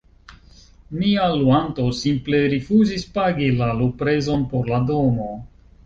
mia luanto simple rifuzis pagi la luprezon por la domo